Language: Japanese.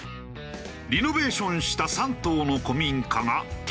リノベーションした３棟の古民家が客室。